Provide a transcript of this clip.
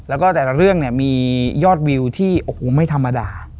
แล้วก็แต่ละเรื่องเนี่ยมียอดวิวที่โอ้โหไม่ธรรมดา